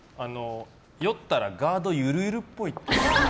酔ったらガードゆるゆるっぽい。